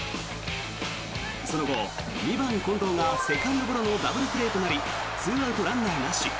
その後、２番、近藤がセカンドゴロのダブルプレーとなり２アウト、ランナーなし。